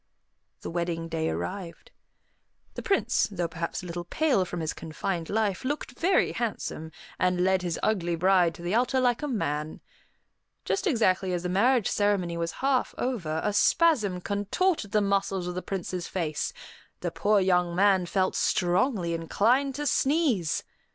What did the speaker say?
The wedding day arrived. The Prince, though perhaps a little pale from his confined life, looked very handsome, and led his ugly bride to the altar like a man. Just exactly as the marriage ceremony was half over, a spasm contorted the muscles of the Prince's face; the poor young man felt strongly inclined to sneeze.